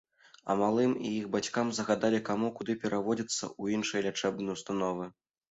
А малым і іх бацькам загадалі каму куды пераводзіцца ў іншыя лячэбныя ўстановы.